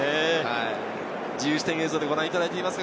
自由視点映像でご覧いただいています。